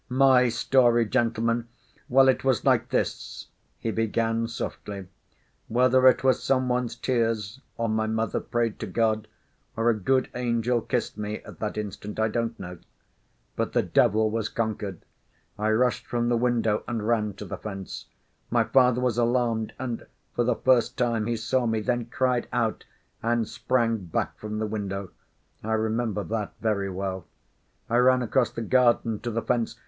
"My story, gentlemen? Well, it was like this," he began softly. "Whether it was some one's tears, or my mother prayed to God, or a good angel kissed me at that instant, I don't know. But the devil was conquered. I rushed from the window and ran to the fence. My father was alarmed and, for the first time, he saw me then, cried out, and sprang back from the window. I remember that very well. I ran across the garden to the fence